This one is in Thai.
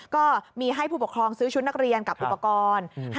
ก็มีให้ผู้ปกครองซื้อชุดนักเรียนกับอุปกรณ์